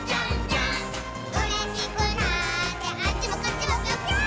「うれしくなってあっちもこっちもぴょぴょーん」